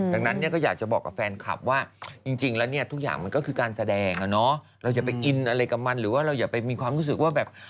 ดังนั้นเนี่ยก็อยากจะบอกกับแฟนคลับว่าจริงแล้วเนี่ยทุกอย่างมันก็คือการแสดงเราอย่าไปอินอะไรกับมันหรือว่าเราอย่าไปมีความรู้สึกว่าแบบ